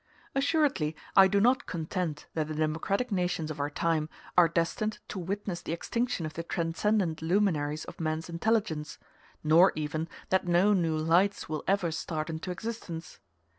Assuredly I do not content that the democratic nations of our time are destined to witness the extinction of the transcendent luminaries of man's intelligence, nor even that no new lights will ever start into existence.